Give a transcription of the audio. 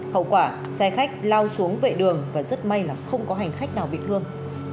hậu quả xe khách lao xuống vệ đường và rất may là không có hành khách nào bị thương